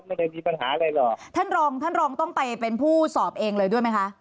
ไม่ได้มีปัญหาอะไรหรอกท่านรองท่านรองต้องไปเป็นผู้สอบเองเลยด้วยไหมคะ